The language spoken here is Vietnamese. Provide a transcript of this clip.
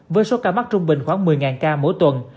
với số ca mắc trung bình khoảng một mươi ca mỗi tuần